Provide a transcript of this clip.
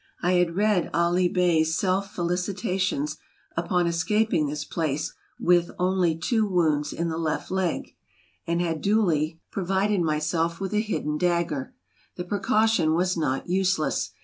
I had read Ali Bey's self felicitations upon escaping this place with '' only two wounds in the left leg, '' and had duly ASIA 251 provided myself with a hidden dagger. The precaution was not useless.